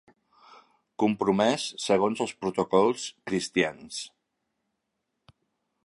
Compromès segons els protocols cristians.